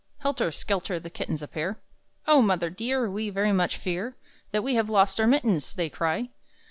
Helter skelter the kittens appear; "Oh mother dear, we very much fear That we have lost our mittens!" they cry.